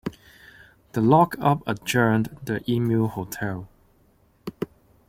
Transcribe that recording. The lock-up adjoined the Emu Hotel.